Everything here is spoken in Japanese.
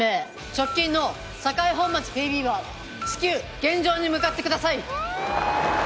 直近の栄本町ＰＢは至急現場に向かってください。